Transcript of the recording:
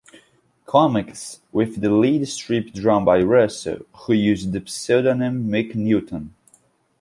Comics, with the lead strip drawn by Russell, who used the pseudonym 'Mick Newton'.